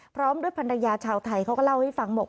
พร้อมด้วยภรรยาชาวไทยเขาก็เล่าให้ฟังบอก